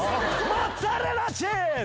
モッツァレラチズ！